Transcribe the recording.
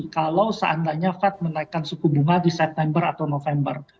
kalau seandainya fed menaikkan suku bunga di september atau november